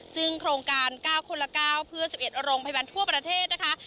ซึ่งโครงการ๙คนละ๙เพื่อ๑๑โรงพยาบาลทั่วประเทศนะคะ